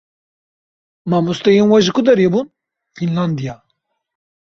Mamosteyên we ji ku derê bûn? "Fînlandiya."